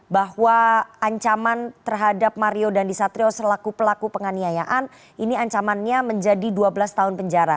bahwa ancaman terhadap mario dandisatrio selaku pelaku penganiayaan ini ancamannya menjadi dua belas tahun penjara